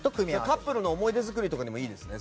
カップルの思い出作りにもいいですね。